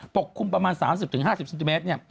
กคลุมประมาณ๓๐๕๐เซนติเมตร